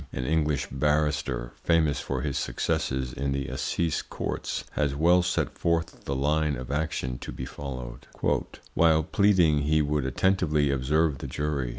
An English barrister, famous for his successes in the assize courts, has well set forth the line of action to be followed: "While pleading he would attentively observe the jury.